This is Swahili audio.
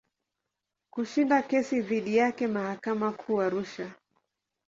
Kushinda kesi dhidi yake mahakama Kuu Arusha.